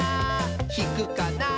ひくかな？